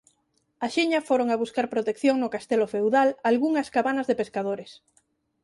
Axiña foron a buscar protección no castelo feudal algunhas cabanas de pescadores.